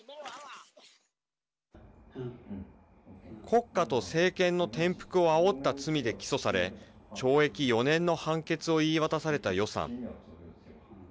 国家と政権の転覆をあおった罪で起訴され懲役４年の判決を言い渡された余さん。